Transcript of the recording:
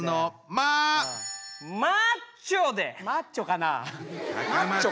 マッチョかな？